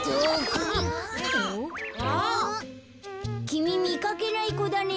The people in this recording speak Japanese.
きみみかけないこだね。